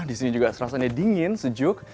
disini juga rasanya dingin sejuk